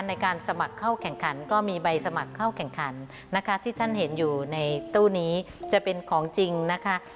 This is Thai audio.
ในการสมัครเข้าแข่งขันก็มีใบสมัครเข้าแข่งขันนะคะที่ท่านเห็นอยู่ในตู้นี้จะเป็นของจริงนะคะ